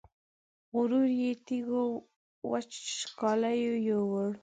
غرور یې تږو وچکالیو یووړ